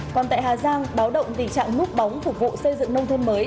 còn tại hà giang báo động tình trạng núp bóng phục vụ xây dựng nông thôn mới